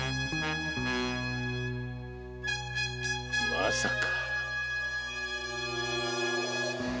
まさか。